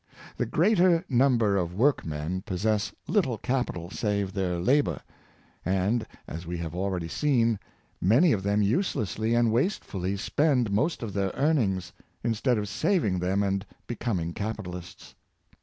The greater number of workmen possess little capi tal save their labor; and, as we have already seen, many of them uselessly and wastefully spend most of their earnings, instead of saving them and becoming capital ists.